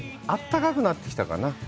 あったかくなってきたかな。